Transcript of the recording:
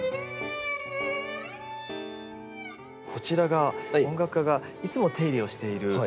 こちらが音楽家がいつも手入れをしている「恵の丘」という。